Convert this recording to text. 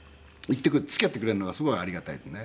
付き合ってくれるのがすごいありがたいですね。